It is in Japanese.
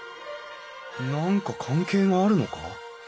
何か関係があるのか？